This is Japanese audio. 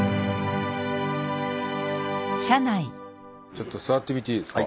ちょっと座ってみていいですか？